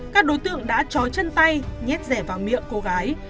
các đối tượng đã chói chân tay nhét rẻ vào miệng cô gái